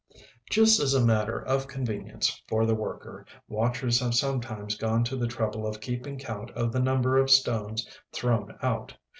Just as a matter of convenience for the worker, watchers have sometimes gone to the trouble of keeping count of the number of stones thrown out.